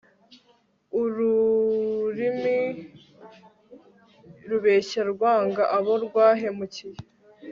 ururimi rubeshya rwanga abo rwahemukiye